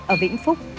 ở vĩnh phúc